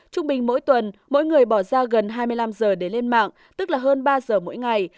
trung bình mỗi tuần mỗi người bỏ ra gần hai mươi năm giờ để lên mạng tức là hơn ba giờ mỗi ngày